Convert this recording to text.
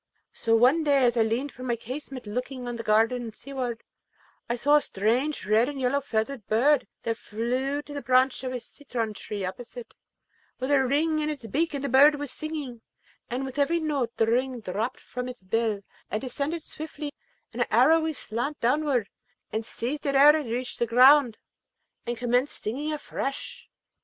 So one day as I leaned from my casement looking on the garden seaward, I saw a strange red and yellow feathered bird that flew to the branch of a citron tree opposite, with a ring in its beak; and the bird was singing, and with every note the ring dropped from its bill, and it descended swiftly in an arrowy slant downward, and seized it ere it reached the ground, and commenced singing afresh.